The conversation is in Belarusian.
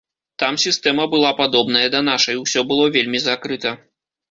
Там сістэма была падобная да нашай, усё было вельмі закрыта.